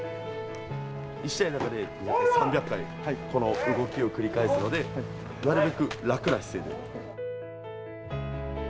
１試合の中で３００回、この動きを繰り返すので、なるべく楽な姿勢で。